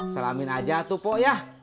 selamin aja tuh pok ya